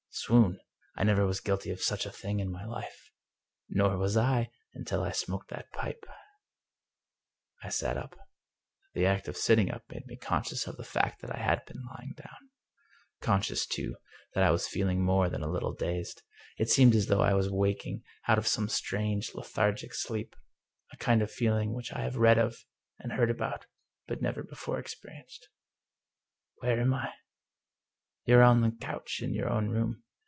" Swoon! I never was guilty of such a thing in my life." " Nor was I, until I smoked that pipe." I sat up. The act of sitting up made me conscious of the fact that I had been lying down. Conscious, too, that I was feeling more than a little dazed. It seemed as though I was waking out of some strange, lethargic sleep — a kind of feeling which I have read of and heard about, but never before experienced. "Where am I?" " You're on the couch in your own room.